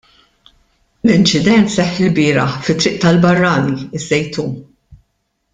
L-inċident seħħ ilbieraħ fi Triq tal-Barrani, iż-Żejtun.